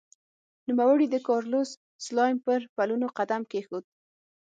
نوموړي د کارلوس سلایم پر پلونو قدم کېښود.